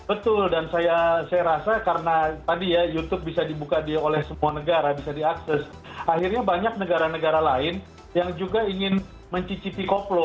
betul dan saya rasa karena tadi ya youtube bisa dibuka oleh semua negara bisa diakses akhirnya banyak negara negara lain yang juga ingin mencicipi koplo